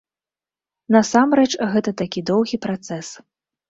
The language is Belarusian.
Насамрэч, гэта такі доўгі працэс.